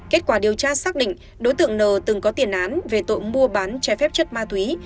kết quả điều tra xác định đối tượng nờ từng có tiền án về tội mua bán trái phép chất ma túy